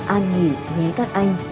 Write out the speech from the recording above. an nghỉ nhé các anh